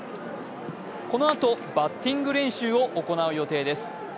このあとバッティング練習を行う予定です。